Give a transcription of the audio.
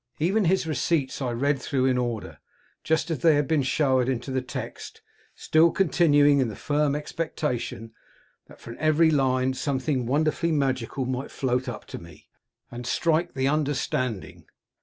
Even his receipts I read through in order, just as they had been showered into the text, still continuing in the firm expectation that from every line something wonderfully magical might float up to me, and strike the understanding.